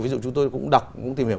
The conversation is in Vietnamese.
ví dụ chúng tôi cũng đọc cũng tìm hiểu